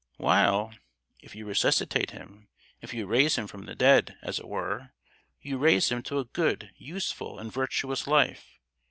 "While, if you resuscitate him—if you raise him from the dead, as it were, you raise him to a good, useful, and virtuous life!